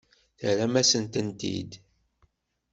Terram-asent-tent-id.